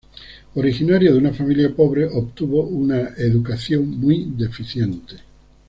Originario de una familia pobre obtuvo una educación muy deficiente.